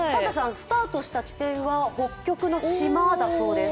スタートした地点は北極の島だそうです。